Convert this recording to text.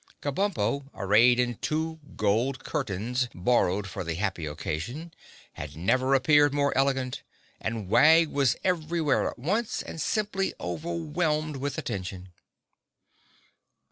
Kabumpo, arrayed in two gold curtains borrowed for the happy occasion, had never appeared more elegant and Wag was everywhere at once and simply overwhelmed with attention.